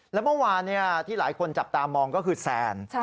แล้วเมื่อวานที่หลายคนจับตามองก็คือแซน